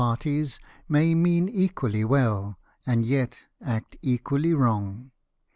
165 parties luay mean equally well, and yet act equally wrong.